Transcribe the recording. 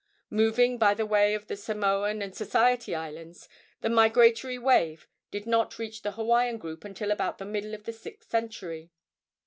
Moving by the way of the Samoan and Society Islands, the migratory wave did not reach the Hawaiian group until about the middle of the sixth century.